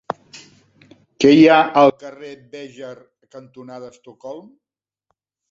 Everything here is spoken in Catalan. Què hi ha al carrer Béjar cantonada Estocolm?